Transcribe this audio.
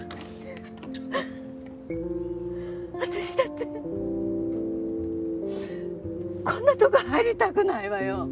私だってこんなとこ入りたくないわよ！